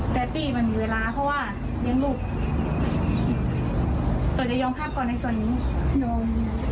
แต่พี่มันมีเวลาเพราะว่าเลี้ยงลูกโดยจะยอมพักก่อนในส่วนนี้ยอม